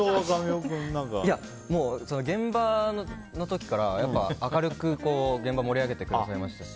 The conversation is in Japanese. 現場の時からやっぱり明るく現場を盛り上げてくださいましたし。